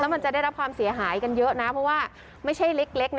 มันจะได้รับความเสียหายกันเยอะนะเพราะว่าไม่ใช่เล็กนะ